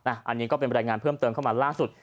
อันนี้ก็เป็นรายงานเพิ่มเติมเข้ามาล่าสุด